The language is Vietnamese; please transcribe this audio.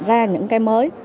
ra những cái mới